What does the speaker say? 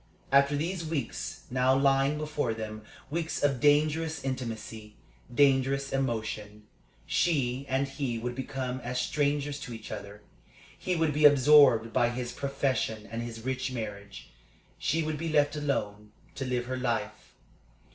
After these weeks now lying before them weeks of dangerous intimacy, dangerous emotion she and he would become as strangers to each other. He would be absorbed by his profession and his rich marriage. She would be left alone to live her life.